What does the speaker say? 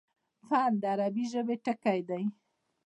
فن: د عربي ژبي ټکی دﺉ.